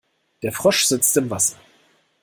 Der Frosch sitzt im Wasser.